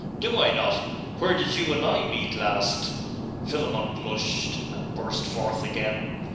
'Do I not? Where did you and I meet last?' Philammon blushed and burst forth again.